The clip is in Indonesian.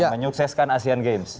menyukseskan asean games